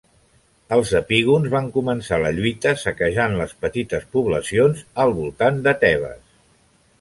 Els epígons van començar la lluita saquejant les petites poblacions al voltant de Tebes.